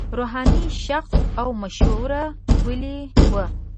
روحاني شخص او مشهور ولي و.